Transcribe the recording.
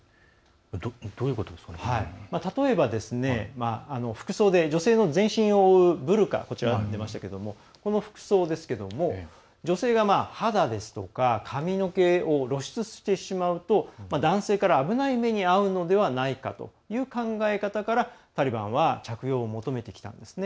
例えば、服装で女性の全身を覆うブルカがありますがこの服装ですけれども女性が肌ですとか髪の毛を露出してしまうと男性から、危ない目に遭うのではないかという考え方からタリバンは着用を求めてきたんですね。